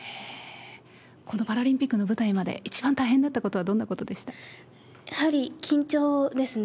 このパラリンピックの舞台まで、一番大変だったことはどんなやはり緊張ですね。